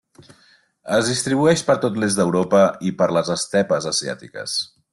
Es distribueix per tot l’est d’Europa i per les estepes asiàtiques.